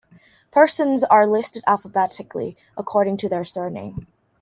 Persons are listed alphabetically according to their surname.